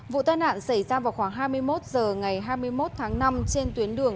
vụ tai nạn xảy ra vào khoảng hai mươi một h ngày hai mươi một tháng năm trên tuyến đường